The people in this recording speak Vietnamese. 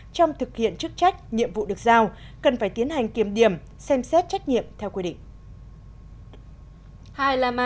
trong thực hiện chức trách nhiệm vụ được giao cần phải tiến hành kiểm điểm xem xét trách nhiệm theo quy định